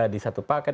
di satu paket